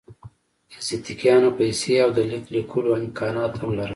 ازتکیانو پیسې او د لیک لیکلو امکانات هم لرل.